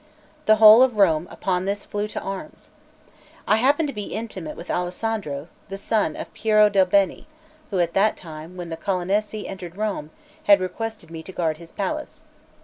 The whole of Rome upon this flew to arms. I happened to be intimate with Alessandro, the son of Piero del Bene, who, at the time when the Colonnesi entered Rome, had requested me to guard his palace.